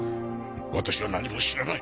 私は何も知らない。